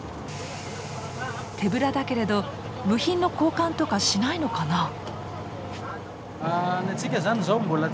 手ぶらだけれど部品の交換とかしないのかな？